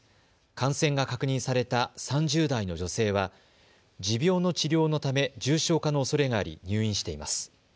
感染が確認された３０代の女性は持病の治療のため重症化のおそれがあり入院しています。